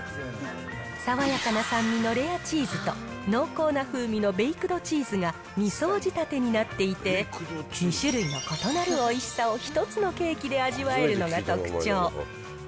爽やかな酸味のレアチーズと、濃厚な風味のベイクドチーズが２層仕立てになっていて、２種類の異なるおいしさを１つのケーキで味わえるのが特徴。